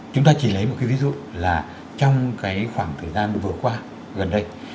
chúng ta chỉ lấy một cái ví dụ là trong cái khoảng thời gian vừa qua gần đây